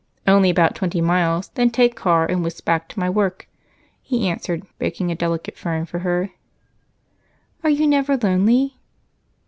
"Only about twenty miles, then take car and whisk back to my work," he answered, breaking a delicate fern for her. "Are you never lonely?"